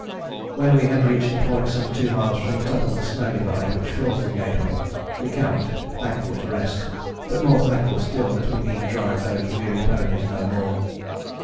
When we had reached a point some two miles from the top of the snow divide which fills the Gateway we camped, thankful to rest, but more thankful still that we need drive those weary ponies no more.